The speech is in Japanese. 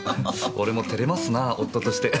俺も照れますなぁ夫としてアハハ。